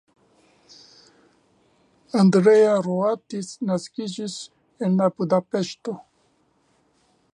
Andrea Roatis naskiĝis la en Budapeŝto.